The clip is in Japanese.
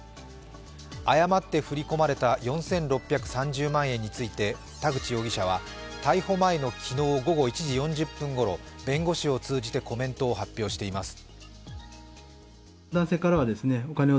誤って振り込まれた４６３０万円について田口容疑者は、逮捕前の昨日午後１時４０分ごろ、弁護士を通じてコメントを発表しています。